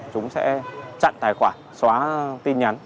chúng sẽ chặn tài khoản xóa tin nhắn